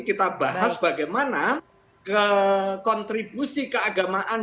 kita bahas bagaimana kontribusi keagamaan